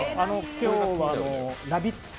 今日は「ラヴィット！」